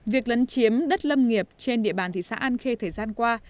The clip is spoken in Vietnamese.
việc lấn chiếm đất lâm nghiệp trên địa bàn thị xã an khê thời gian qua